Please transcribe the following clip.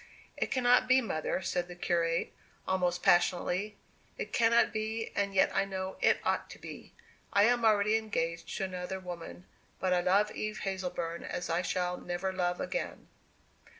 "It cannot be, mother," said the curate, almost passionately. "It cannot be, and yet I know it ought to be! I am already engaged to another woman; but I love Eve Hazleburn as I shall never love again!"